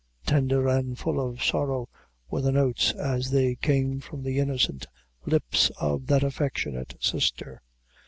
Tender and full of sorrow were the notes as they came from the innocent lips of that affectionate sister.